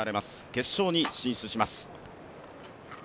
決勝に進出します。